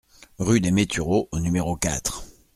Rue des Métureauds au numéro quatre